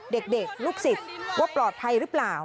เด็กลูกศิษย์ว่าปลอดภัยหรือเปล่า